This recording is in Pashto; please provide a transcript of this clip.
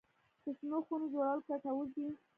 د شنو خونو جوړول ګټور دي؟